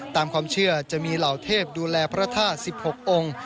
ตามความเชื่อจะมีเหล่าเทพดูแลพระธาตุ๑๖องค์